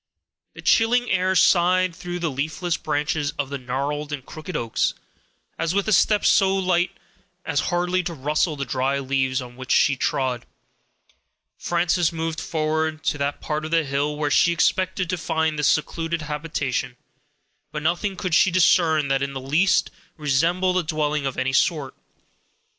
The chilling air sighed through the leafless branches of the gnarled and crooked oaks, as with a step so light as hardly to rustle the dry leaves on which she trod, Frances moved forward to that part of the hill where she expected to find this secluded habitation; but nothing could she discern that in the least resembled a dwelling of any sort.